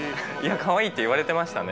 「かわいい」って言われてましたね。